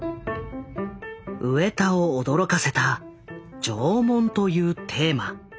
上田を驚かせた縄文というテーマ。